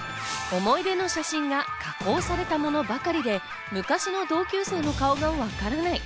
思い出の写真が加工されたものばかりで、昔の同級生の顔がわからない。